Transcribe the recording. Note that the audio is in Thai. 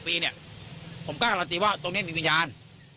ผมก็การันตีว่าตรงนี้มีวิญญาณ